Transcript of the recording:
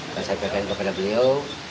saya berikan kepada beliau